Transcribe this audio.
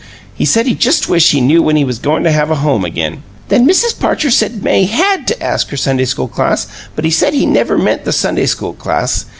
He said he just wished he knew when he was goin' to have a home again. Then Mrs. Parcher said May HAD to ask her Sunday school class, but he said he never meant the Sunday school class.